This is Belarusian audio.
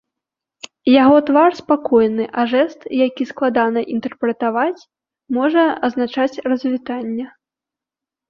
Яго твар спакойны, а жэст, які складана інтэрпрэтаваць, можа азначаць развітанне.